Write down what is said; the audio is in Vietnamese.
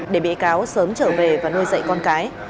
để bị cáo sớm trở về và nuôi dạy con cái